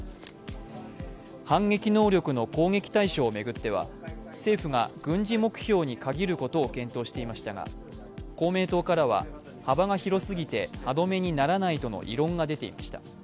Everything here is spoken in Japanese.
反撃能力の攻撃対象を巡っては政府が軍事目標に限ることを検討していましたが、公明党からは幅が広すぎて歯止めにならないとの異論が出ていました。